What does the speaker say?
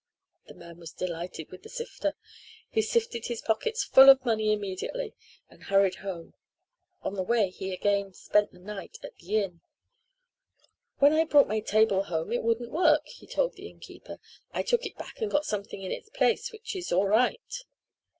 The man was delighted with the sifter. He sifted his pockets full of money immediately and hurried home. On the way he again spent the night at the inn. "When I brought my table home it wouldn't work," he told the innkeeper. "I took it back and got something in its place which is all right."